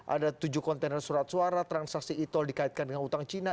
ada tujuh kontainer surat suara transaksi e tol dikaitkan dengan utang cina